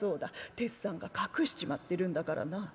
鉄山が隠しちまってるんだからな。